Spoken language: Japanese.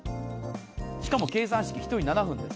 しかも計算して１人７分。